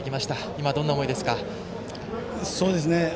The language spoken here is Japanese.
今、どんな思いですか？